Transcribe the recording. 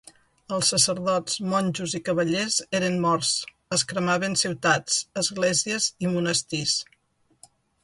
Els sacerdots, monjos i cavallers eren morts; es cremaven ciutats, esglésies i monestirs.